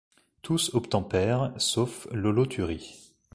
Tous obtempérent sauf l'holothurie.